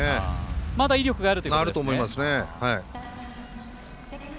まだ威力があるということですね。